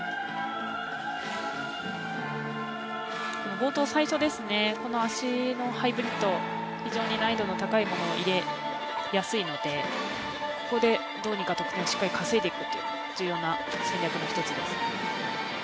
冒頭最初、この足のハイブリッド非常に難易度が高いものを入れやすいのでここでどうにか得点をしっかり稼いでいくという重要な戦略の１つです。